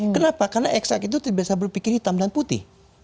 kenapa karena eksak itu terbiasa berpikir hitam dan putih